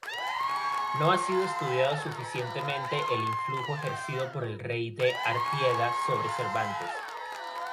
No ha sido estudiado suficientemente el influjo ejercido por Rey de Artieda sobre Cervantes.